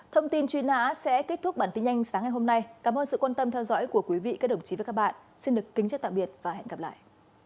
thông tin truy nã sẽ kết thúc bản tin nhanh sáng ngày hôm nay cảm ơn sự quan tâm theo dõi của quý vị các đồng chí và các bạn xin được kính chào tạm biệt và hẹn gặp lại